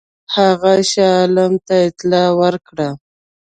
هغه شاه عالم ته اطلاع ورکړه.